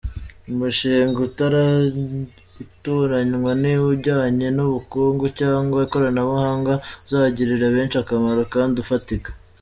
Umushinga utoranywa ni ujyanye n’ubukungu cyangwa ikoranabuhanga uzagirira benshi akamaro kandi ufatika.